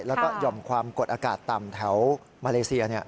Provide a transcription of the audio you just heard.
แล้วก็หย่อมความกดอากาศต่ำแถวมาเลเซีย